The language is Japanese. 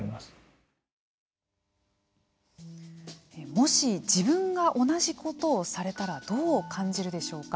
もし自分が同じことをされたらどう感じるでしょうか。